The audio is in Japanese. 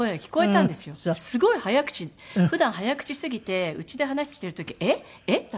すごい早口普段早口すぎてうちで話をしてる時「えっ？えっ？」って